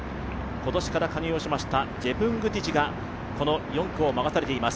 今年から加入をしましたジェプングティチがこの４区を任されています。